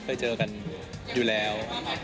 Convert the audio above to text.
เคยเจอกันอยู่แล้ว